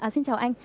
xin chào anh